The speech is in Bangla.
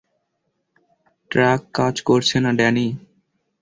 ট্রাক কাজ করছে না, ড্যানি।